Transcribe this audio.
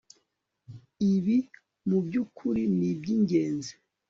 Ibi mubyukuri nibyingenzi